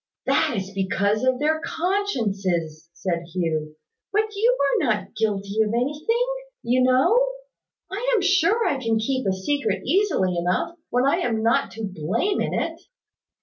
"That is because of their consciences," said Hugh. "But you are not guilty of anything, you know. I am sure I can keep a secret easily enough, when I am not to blame in it."